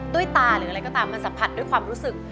ตาหรืออะไรก็ตามมันสัมผัสด้วยความรู้สึก